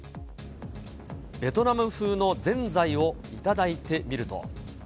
ベトナム風のぜんざいを頂いてみると。